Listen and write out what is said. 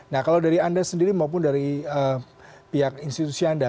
nah kalau dari anda sendiri maupun dari pihak institusi anda